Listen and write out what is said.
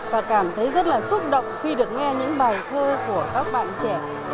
và cảm thấy rất là xúc động khi được nghe những bài thơ của các bạn trẻ